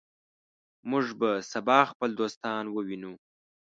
موږ به سبا خپل دوستان ووینو.